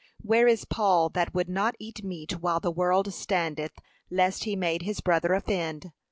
Where is Paul that would not eat meat while the world standeth, lest he made his brother offend?